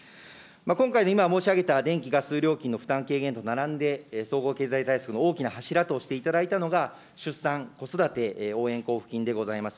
今回の今申し上げた、電気ガス料金の負担軽減と並んで、総合経済対策の大きな柱としていただいたのが、出産・子育て応援交付金でございます。